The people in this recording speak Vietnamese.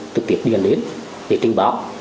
thực tiệp điền đến để tình báo